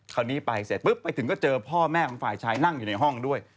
คราวนี้ไปเสร็จปุ๊บไปถึงก็เจอพ่อแม่ของฝ่ายชายนั่งอยู่ในห้องด้วย